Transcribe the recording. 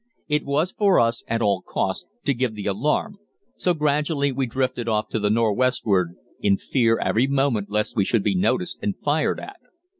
It was for us, at all costs, to give the alarm, so gradually we drifted off to the nor' westward, in fear every moment lest we should be noticed and fired at.